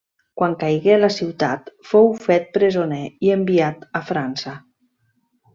Quan caigué la ciutat fou fet presoner i enviat a França.